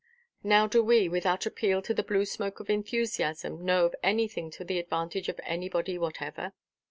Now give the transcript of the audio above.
Now do we, without appeal to the blue smoke of enthusiasm, know of anything to the advantage of anybody whatever?